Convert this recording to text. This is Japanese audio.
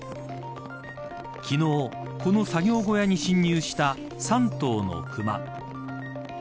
昨日、この作業小屋に侵入した３頭の熊。